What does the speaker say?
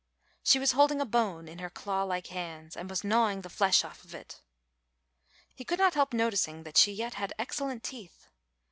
She was holding a bone in her claw like hands and was gnawing the flesh off it. He could not help noticing that she yet had excellent teeth.